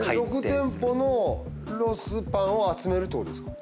６店舗のロスパンを集めるってことですか？